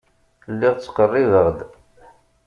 Lliɣ ttqerribeɣ-d.